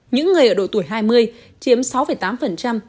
những người ở độ tuổi hai mươi chiếm sáu tám tổng doanh số bán hàng